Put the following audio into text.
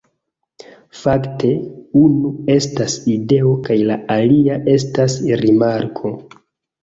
Fakte, unu estas ideo kaj la alia estas rimarko